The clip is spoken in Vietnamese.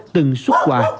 từng xuất quà